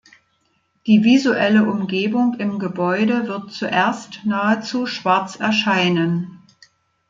Die visuelle Umgebung im Gebäude wird zuerst nahezu schwarz erscheinen.